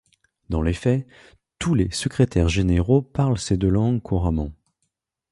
Dans les faits, tous les secrétaires généraux parlent ces deux langues couramment.